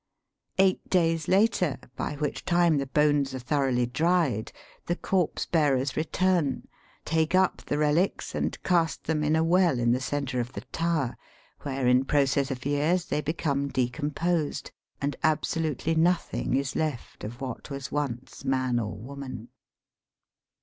Eight days later, by which time the bones are thoroughly dried, the corpse bearers return, take up the relics and cast them in a well in the centre of the tower, where in process of years they become decomposed, and absolutely nothing is left of what was once man or woman.